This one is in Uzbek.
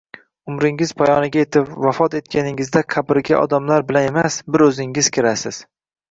Umringiz poyoniga yetib, vafot etganingizda qabrga odamlar bilan emas, bir o‘zingiz kirasiz.